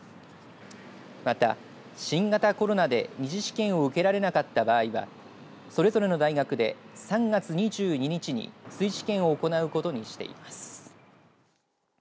また、新型コロナで２次試験を受けられなかった場合はそれぞれの大学で３月２２日に追試験を行うことにしています。